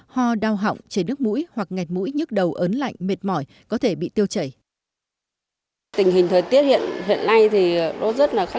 ho đau hỏng chảy nước mũi hoặc nghẹt mũi nhức đầu ấn lạnh mệt mỏi có thể bị tiêu chảy